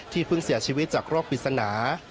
เพิ่งเสียชีวิตจากโรคปริศนา